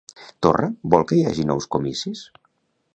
Torra vol que hi hagi nous comicis?